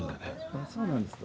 あそうなんですか。